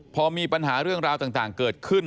พอมีปัญหาเรื่องราวต่างเกิดขึ้น